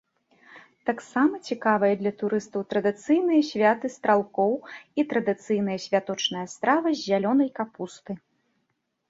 Таксама цікавыя для турыстаў традыцыйныя святы стралкоў і традыцыйная святочная страва з зялёнай капусты.